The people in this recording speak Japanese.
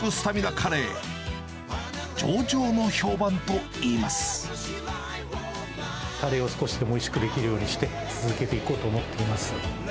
カレーを少しでもおいしくできるようにして、続けていこうと思っています。